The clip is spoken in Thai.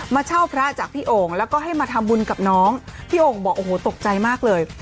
เช่าพระจากพี่โอ่งแล้วก็ให้มาทำบุญกับน้องพี่โอ่งบอกโอ้โหตกใจมากเลย